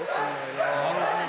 なるほど。